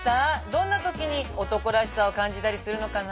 どんな時に男らしさを感じたりするのかな？